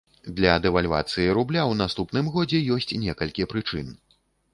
Для дэвальвацыі рубля ў наступным годзе ёсць некалькі прычын.